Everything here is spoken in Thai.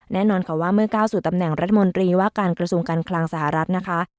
แน่นอนค่ะว่าเมื่อก้าวสู่ตำแหน่งรัฐมนตรีว่าการกระทรวงการคลังสหรัฐนะคะ